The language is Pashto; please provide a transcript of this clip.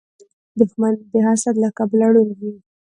دښمن د حسد له کبله ړوند وي